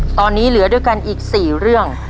ตอนนี้เหลือด้วยกันอีก๔เรื่อง